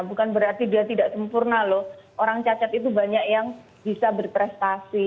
bukan berarti dia tidak sempurna loh orang cacat itu banyak yang bisa berprestasi